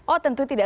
oh tentu tidak